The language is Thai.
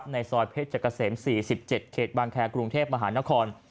ในซอยเพชรเกษม๔๗เขตบางแครกรุงเทพมหานคร